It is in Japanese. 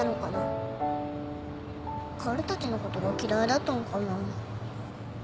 薫たちのことが嫌いだったのかな。